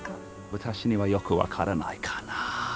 私にはよく分からないかな。